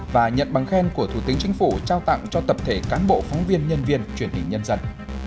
và nhận bằng khen của thủ tướng chính phủ trao tặng cho tập thể cán bộ phóng viên nhân viên truyền hình nhân dân